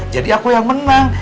jadi aku yang menang